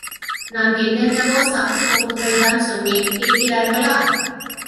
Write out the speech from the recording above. நான் என்னென்னவோ சாக்குப் போக்குகள்தான் சொன்னேன் கேட்கிறார்களா?